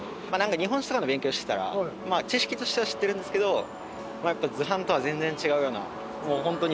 日本史とかの勉強してたら知識としては知ってるんですけどやっぱ図版とは全然違うようなホントにでかいし迫力があって。